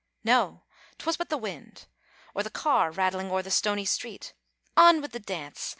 No; 'twas but the wind, Or the car rattling o'er the stony street; On with the dance!